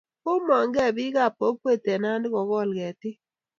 Komang nge bik ab kokwet eng Nandi kokol ketik